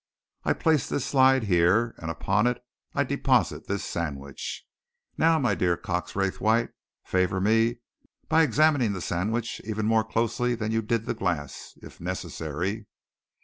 I place this slide here and upon it I deposit this sandwich. Now, my dear Cox Raythwaite, favour me by examining the sandwich even more closely than you did the glass if necessary."